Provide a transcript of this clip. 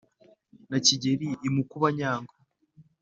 na kigeri i mukobanyango